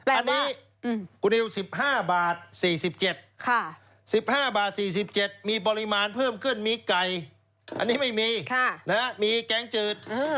อันนี้๑๕บาท๔๗มีปริมาณเพิ่มเคลื่อนมีกไก่อันนี้ไม่มีมีแกงจืด